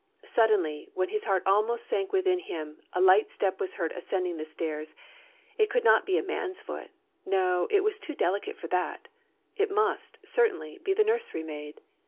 Suddenly, when his heart almost sank within him, a light step was heard ascending the stairs it could not be a man's foot no, it was too delicate for that; it must, certainly, be the nursery maid.